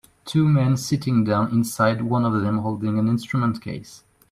Two men sitting down inside one of them holding an instrument case